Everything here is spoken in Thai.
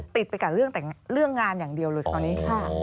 ติดไปกับเรื่องงานอย่างเดียวเลยตอนนี้